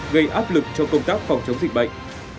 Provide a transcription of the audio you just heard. gây áp lực cho công tác phòng chống dịch bệnh